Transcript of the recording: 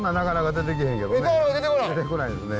出てこないですね。